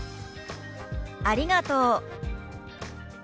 「ありがとう」。